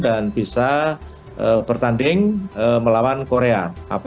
dan bisa bertanding melawan korea